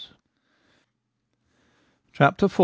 CHAPTER IV.